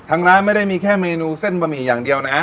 ร้านไม่ได้มีแค่เมนูเส้นบะหมี่อย่างเดียวนะฮะ